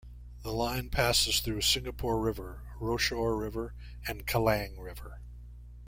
The line passes through Singapore river, Rochor river and Kallang River.